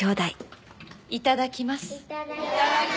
いただきます。